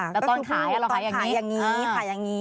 แต่ตอนขายเราขายอย่างนี้